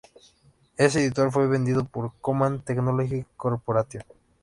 Este editor fue vendido por Command Technology Corporation.